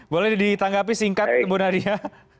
boleh ditanggapi singkat ibu nadia